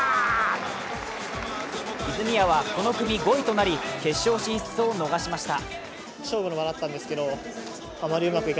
泉谷はこの組５位となり決勝進出を逃しました。